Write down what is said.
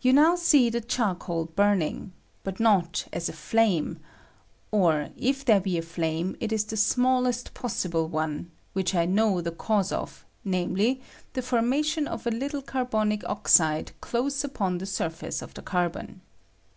You now see the charcoal burning, but not as a flame (or if there be a flame it is i the smallest possible one, which I know the cause of, namely, the formation of a little car bonic oxide close upon the surfitce of the car bon).